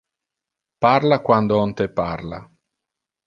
Parla quando on te parla.